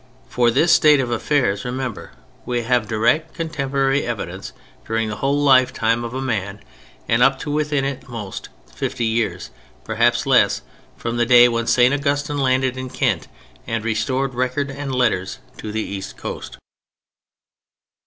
For this state of affairs, remember, we have direct contemporary evidence during the whole lifetime of a man and up to within at the most fifty years—perhaps less—from the day when St. Augustine landed in Kent and restored record and letters to the east coast.